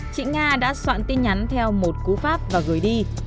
chị nga đã soạn tin nhắn theo một cú pháp và gửi đi